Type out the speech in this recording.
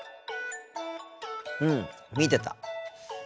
うん見てた。